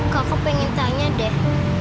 kakak pengen tanya deh